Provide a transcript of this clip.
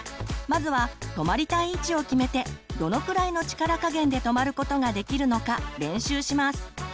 まずは止まりたい位置を決めてどのくらいの力加減で止まることができるのか練習します。